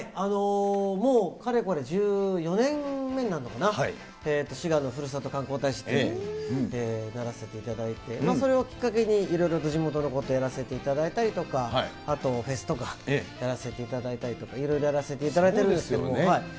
もうかれこれ１４年目になるのかな、滋賀のふるさと観光大使にならせていただいて、それをきっかけにいろいろと地元のことやらせていただいたりとか、あと、フェスとかやらせていただいたりとか、いろいろやらせていすごいですよね。